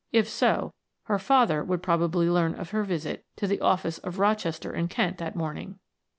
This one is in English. If so, her father would probably learn of her visit to the office of Rochester and Kent that morning.